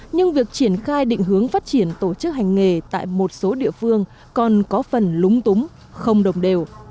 nhưng việc triển khai định hướng phát triển tổ chức hành nghề tại một số địa phương còn có phần lúng túng không đồng đều